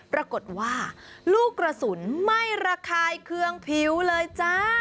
ปรากฏว่าลูกกระสุนไม่ระคายเคืองผิวเลยจ้า